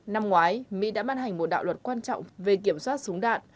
năm ngoái mỹ đã ban hành một đạo luật quan trọng về kiểm soát súng đạn